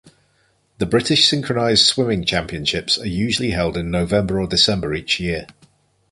The British Synchronised Swimming Championships are usually held in November or December each year.